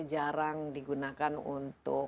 jarang digunakan untuk